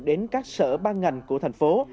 đến các sở ban ngành của thành phố